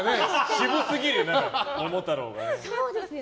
渋すぎるよ、桃太郎が。